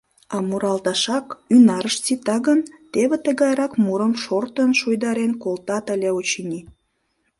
А муралташак ӱнарышт сита гын, теве тыгайрак мурым шортын шуйдарен колтат ыле, очыни: